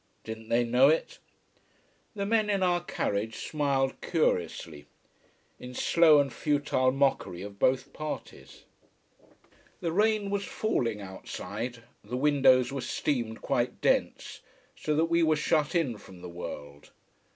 Didn't they know it. The men in our carriage smiled curiously: in slow and futile mockery of both parties. The rain was falling outside, the windows were steamed quite dense, so that we were shut in from the world.